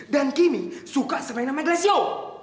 dan kimi suka sama yang namanya glacio